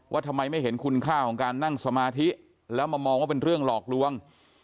ทำไมไม่เห็นคุณค่าของการนั่งสมาธิแล้วมามองว่าเป็นเรื่องหลอกลวง